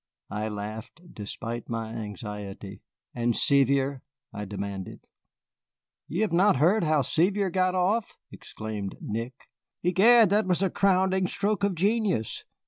I laughed, despite my anxiety. "And Sevier?" I demanded. "You have not heard how Sevier got off?" exclaimed Nick. "Egad, that was a crowning stroke of genius!